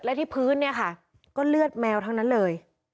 และที่พื้นเนี่ยค่ะก็เลือดแมวทั้งนั้นเลย